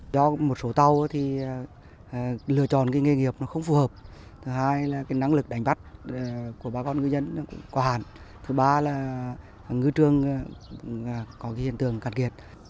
do một số tàu thì lựa chọn nghề nghiệp không phù hợp thứ hai là cái năng lực đánh bắt của bà con ngư dân có hạn thứ ba là ngư trường có cái hiện tượng cạn kiệt